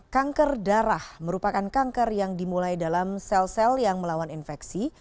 kanker darah merupakan kanker yang dimulai dalam sel sel yang melawan infeksi